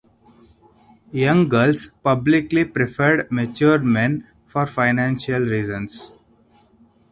Young girls publicly preferred mature men for financial reasons.